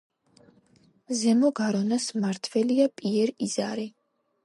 ზემო გარონას მმართველია პიერ იზარი.